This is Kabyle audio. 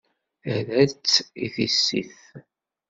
Terra-tt i tissit.